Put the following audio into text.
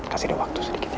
kasih dia waktu sedikit